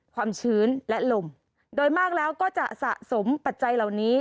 ความชื้นและลมโดยมากแล้วก็จะสะสมปัจจัยเหล่านี้